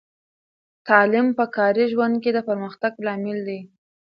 تعلیم په کاري ژوند کې د پرمختګ لامل دی.